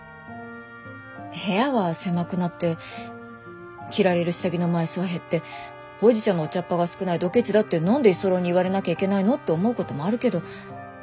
部屋は狭くなって着られる下着の枚数は減ってほうじ茶のお茶っ葉が少ないドケチだって何で居候に言われなきゃいけないのって思うこともあるけど